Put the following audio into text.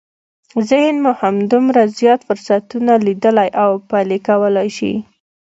ذهن مو همدومره زیات فرصتونه ليدلی او پلي کولای شي.